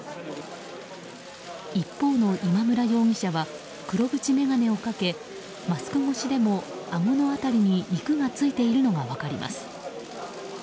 一方の今村容疑者は黒縁眼鏡をかけマスク越しでも、あごの辺りに肉がついているのが分かります。